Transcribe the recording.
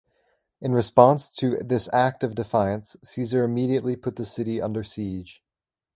In response to this act of defiance Caesar immediately put the city under siege.